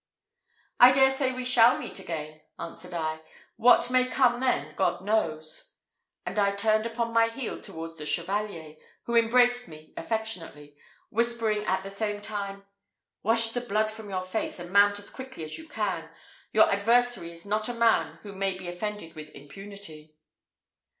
"I dare say we shall meet again," answered I; "what may come then, God knows;" and I turned upon my heel towards the Chevalier, who embraced me affectionately, whispering at the same time, "Wash the blood from your face, and mount as quickly as you can; your adversary is not a man who may be offended with impunity."